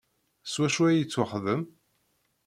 S wacu ay yettwaxdem?